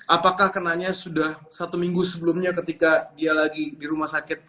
apakah kenanya sudah satu minggu sebelumnya ketika dia lagi di rumah sakit